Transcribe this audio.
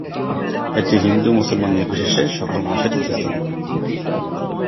এটি হিন্দু-মুসলমান নির্বিশেষে সকল মানুষের তীর্থস্থান।